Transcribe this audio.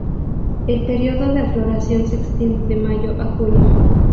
El período de floración se extiende de mayo a junio.